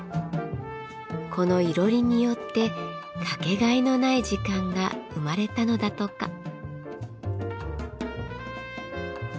このいろりによってかけがえのない時間が生まれたのだとか。